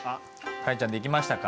カレンちゃんできましたか？